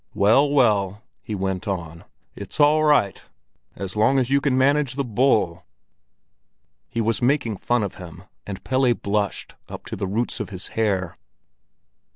Well, well," he went on, "it's all right as long as you can manage the bull!" He was making fun of him, and Pelle blushed up to the roots of his hair.